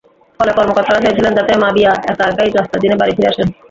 ফলে কর্মকর্তারা চেয়েছিলেন যাতে মাবিয়া একা একাই রাস্তা চিনে বাড়ি ফিরে আসেন।